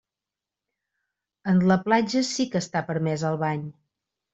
En la platja sí que està permès el bany.